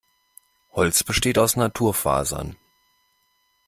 Holz besteht aus Naturfasern.